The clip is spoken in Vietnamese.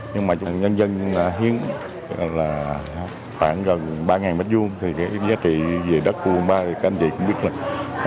nhưng mà dân dân hiến khoảng gần ba nghìn m hai thì cái giá trị về đất của quận ba thì các anh chị cũng biết là